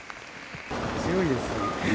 強いですね。